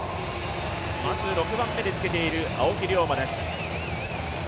まず６番目につけている青木涼真です。